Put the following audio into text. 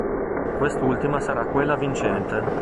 Quest'ultima sarà quella vincente.